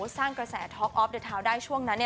สร้างกระแสท็อกออฟเดอร์ทาวน์ได้ช่วงนั้น